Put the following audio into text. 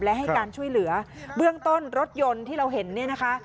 และให้การช่วยเหลือเบื้องต้นรถยนต์ที่เราเห็นเนี่ยนะคะ